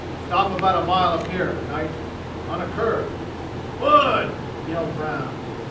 "Stop about a mile up here, Knight. On a curve." "Wood!" yelled Brown.